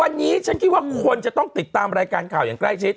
วันนี้ฉันคิดว่าคนจะต้องติดตามรายการข่าวอย่างใกล้ชิด